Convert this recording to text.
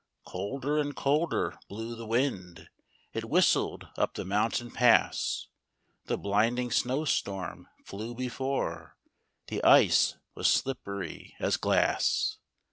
Colder and colder blew the wind, It whistled up the mountain pass, The blinding snow storm flew before : The ice was slippery as glass.